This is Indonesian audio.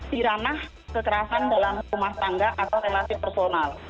di ranah kekerasan dalam rumah tangga atau relatif personal